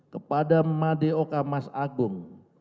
kepada madeoka mas agung